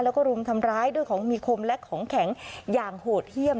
แล้วก็รุมทำร้ายด้วยของมีคมและของแข็งอย่างโหดเยี่ยม